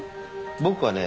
僕はね